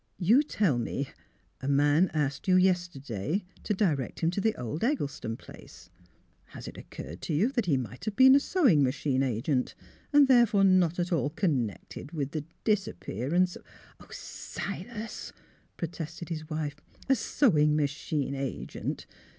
" You tell me a man asked you yesterday to direct him to the old Eggleston place ; has it oc curred to you that he might have been a sewing machine agent and, therefore, not at all connected with the disappearance of "Silas! " protested his wife. " A sewing machine agent!